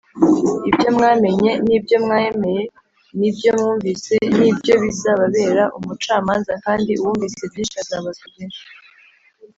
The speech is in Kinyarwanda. Ibyo mwamenye n’ ibyo mwemeye n’ ibyo mwumvise n’ ibyo bizababera umucamanza kandi uwumvise byinshi azabazwa byinshi.